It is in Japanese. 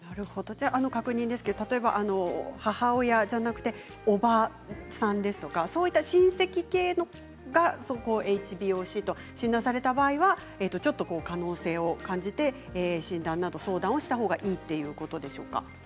確認ですが母親じゃなくておばさんとかそういった親戚の方がＨＢＯＣと診断された場合は、可能性を感じて相談をしたほうがいいということでしょうか。